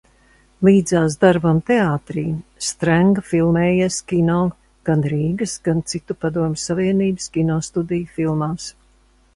Līdzās darbam teātrī, Strenga filmējies kino gan Rīgas, gan citu Padomju Savienības kinostudiju filmās.